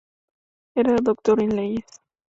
Era doctor en leyes.